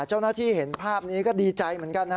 เจ้าหน้าที่เห็นภาพนี้ก็ดีใจเหมือนกันนะ